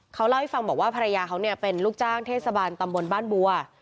เขาเล่าให้ฟังบอกว่าภรรยาเขาเนี่ยเป็นลูกจ้างเทศบาลตำบลบ้านบัว